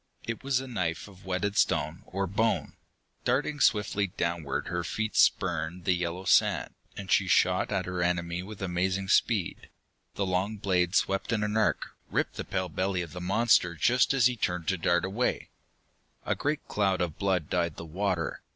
It was a knife of whetted stone or bone. Darting swiftly downward her feet spurned the yellow sand, and she shot at her enemy with amazing speed. The long blade swept in an arc, ripped the pale belly of the monster just as he turned to dart away. A great cloud of blood dyed the water.